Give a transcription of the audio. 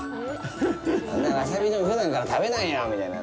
そんなわさび丼、ふだんから食べないよみたいな。